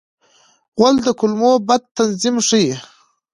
غول د کولمو بد تنظیم ښيي.